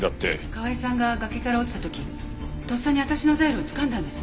河合さんが崖から落ちた時とっさに私のザイルをつかんだんです。